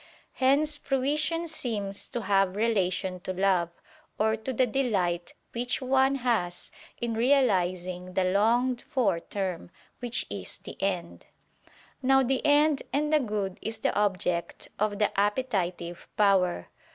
Hence fruition seems to have relation to love, or to the delight which one has in realizing the longed for term, which is the end. Now the end and the good is the object of the appetitive power.